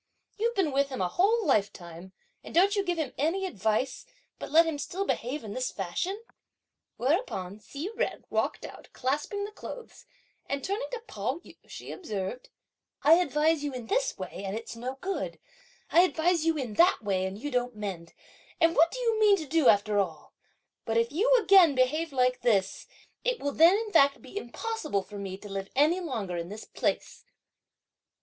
You've been with him a whole lifetime, and don't you give him any advice; but let him still behave in this fashion!" Whereupon, Hsi Jen walked out, clasping the clothes, and turning to Pao yü, she observed, "I advise you in this way and it's no good, I advise you in that way and you don't mend; and what do you mean to do after all? But if you again behave like this, it will then, in fact, be impossible for me to live any longer in this place!"